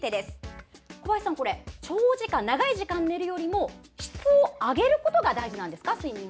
小林さん、長い時間、寝るよりも質を上げることが大事なんですか。